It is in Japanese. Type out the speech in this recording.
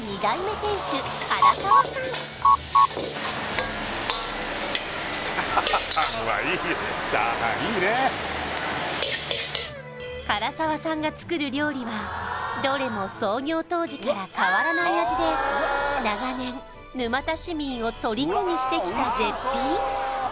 店主唐沢さん唐沢さんが作る料理はどれも創業当時から変わらない味で長年沼田市民をトリコにしてきた絶品！